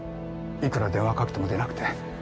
いくら電話かけても出なくて。